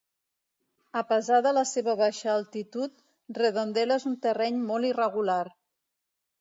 A pesar de la seva baixa altitud Redondela és un terreny molt irregular.